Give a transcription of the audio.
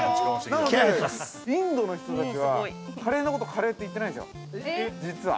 なので、インドの人たちは、カレーのことをカレーって言ってないんですよ、実は。